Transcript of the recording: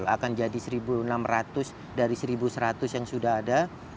akan jadi satu enam ratus dari satu seratus yang sudah ada